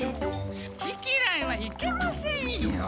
すききらいはいけませんよ！